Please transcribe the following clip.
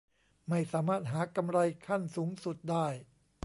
ไม่สามารถหากำไรขั้นสูงสุดได้